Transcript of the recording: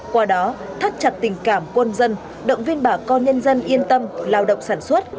qua đó thắt chặt tình cảm quân dân động viên bà con nhân dân yên tâm lao động sản xuất